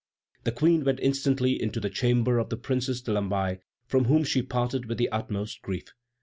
The Queen went instantly into the chamber of the Princess de Lamballe, from whom she parted with the utmost grief.